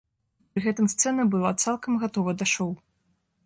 Пры гэтым сцэна была цалкам гатова да шоу.